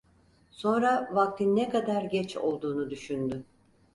Sonra vaktin ne kadar geç olduğunu düşündü.